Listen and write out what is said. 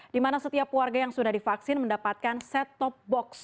di mana setiap warga yang sudah divaksin mendapatkan set top box